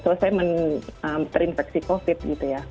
selesai terinfeksi covid gitu ya